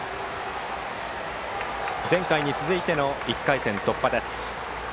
前回に続いての１回戦突破です。